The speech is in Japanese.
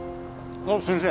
あっ先生。